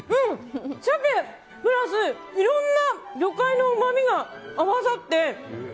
鮭プラス、いろんな魚介のうまみが合わさって。